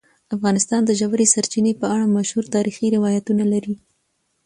افغانستان د ژورې سرچینې په اړه مشهور تاریخی روایتونه لري.